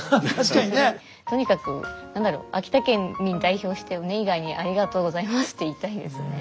とにかく何だろう秋田県民代表してネイガーにありがとうございますって言いたいですね。